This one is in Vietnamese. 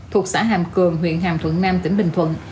thuộc xã hàm cường huyện hàm thuận nam tỉnh bình thuận